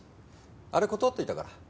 あれ断っておいたから。